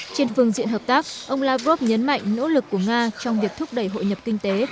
trên phương diện hợp tác ông lavrov nhấn mạnh nỗ lực của nga trong việc thúc đẩy hội nhập kinh tế